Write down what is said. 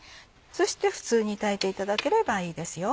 そして普通に炊いていただければいいですよ。